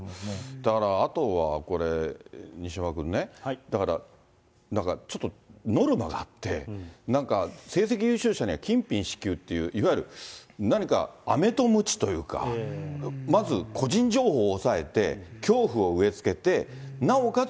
だからあとはこれ、西山君ね、だからちょっと、ノルマがあって、なんか成績優秀者には金品支給っていう、いわゆる何か、あめとむちというか、まず個人情報押さえて、恐怖を植えつけて、なおかつ